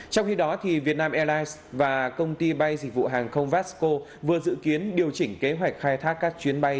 trong khi đó vietnam airlines và công ty bay dịch vụ hàng không vasco vừa dự kiến điều chỉnh kế hoạch khai thác các chuyến bay